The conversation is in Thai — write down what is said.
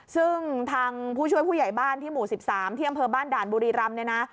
ซึ่งทางผู้ช่วยผู้ใหญ่บ้านที่หมู่๑๓ที่อำเภอบ้านด่านบุรีรำเนี่ยนะ